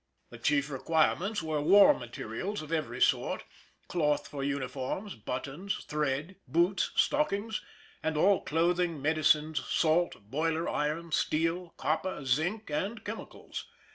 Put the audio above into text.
The chief requirements were war materials of every sort, cloth for uniforms, buttons, thread, boots, stockings, and all clothing, medicines, salt, boiler iron, steel, copper, zinc, and chemicals.